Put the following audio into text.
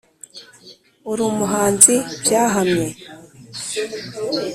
Uri umuhanzi byahamye